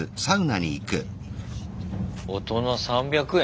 大人３００円？